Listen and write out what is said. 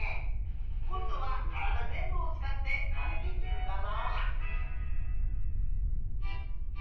こんどはからだぜんぶをつかってまねできるかな？